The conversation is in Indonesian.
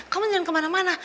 kamu jangan kemana mana